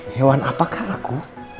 hewan apakah laku